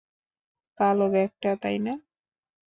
কালো ব্যাগটা, তাই না?